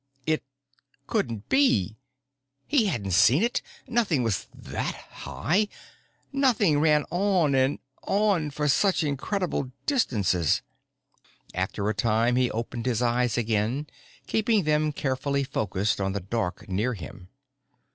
It couldn't be. He hadn't seen it. Nothing was that high, nothing ran on and on for such incredible distances! After a time, he opened his eyes again, keeping them carefully focused on the dark near him.